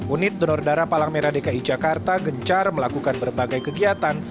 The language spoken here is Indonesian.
unit donor darah palang merah dki jakarta gencar melakukan berbagai kegiatan